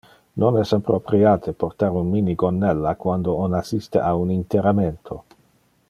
Non es appropriate portar un minigonnella quando on assiste a un interramento.